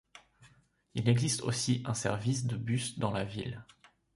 Il existe aussi un service de bus dans la ville.